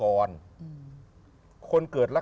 เพราะเขาไม่เจอรัก